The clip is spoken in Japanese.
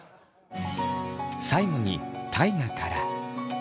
最後に大我から。